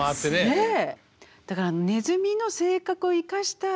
ねえ。